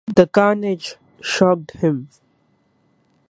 The carnage shocked him.